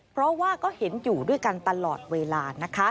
เพราะว่าก็เห็นอยู่ด้วยกันตลอดเวลานะคะ